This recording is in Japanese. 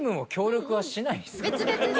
別々に。